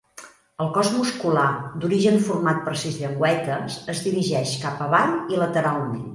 El cos muscular, d'origen format per sis llengüetes, es dirigeix cap avall i lateralment.